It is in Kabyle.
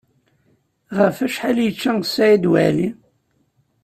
Ɣef wacḥal i yečča Saɛid Waɛli?